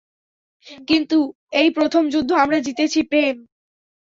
কিন্তু, এই প্রথম যুদ্ধ আমরা জিতেছি, প্রেম।